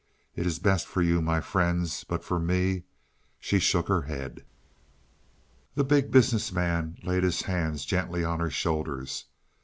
"It is best for you, my friends. But for me " She shook her head. The Big Business Man laid his hands gently on her shoulders.